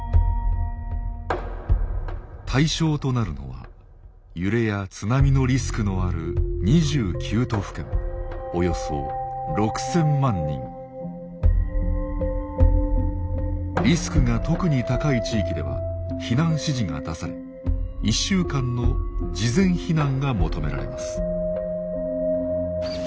対象となるのは揺れや津波のリスクのあるリスクが特に高い地域では避難指示が出され１週間の事前避難が求められます。